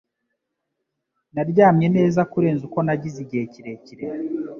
Naryamye neza kurenza uko nagize igihe kirekire.